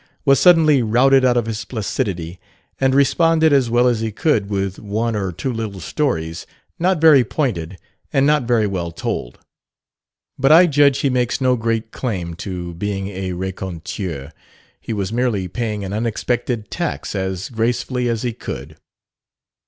was suddenly routed out of his placidity, and responded as well as he could with one or two little stories, not very pointed and not very well told. But I judge he makes no great claim to being a raconteur he was merely paying an unexpected tax as gracefully as he could.